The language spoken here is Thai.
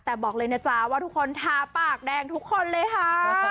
แต่บอกเลยนะจ๊ะว่าทุกคนทาปากแดงทุกคนเลยค่ะ